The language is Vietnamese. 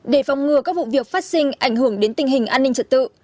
để phòng ngừa các vụ việc phát sinh ảnh hưởng đến tình hình an ninh trật tự